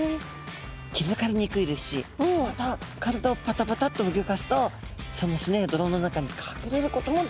気付かれにくいですしまた体をパタパタッとうギョかすとその砂や泥の中に隠れることもできちゃいます。